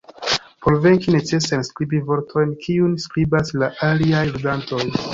Por venki necesas skribi vortojn, kiujn skribas la aliaj ludantoj.